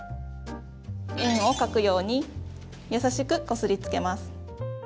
円を描くように優しくこすりつけます。